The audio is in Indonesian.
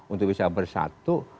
untuk bisa bersatu